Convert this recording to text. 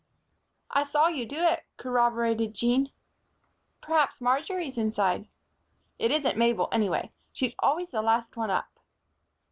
"I saw you do it," corroborated Jean. "Perhaps Marjory's inside." "It isn't Mabel, anyway. She's always the last one up."